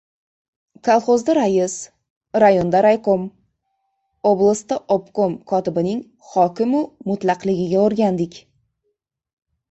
Kolxozda rais, rayonda raykom, oblastda obkom kotibining hokim-u mutlaqligiga o‘rgandik.